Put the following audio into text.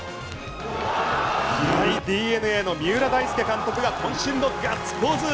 ＤｅＮＡの三浦大輔監督がこん身のガッツポーズ。